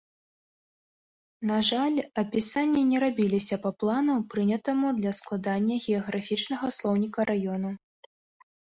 На жаль, апісанні не рабіліся па плану, прынятаму для складання геаграфічнага слоўніка раёну.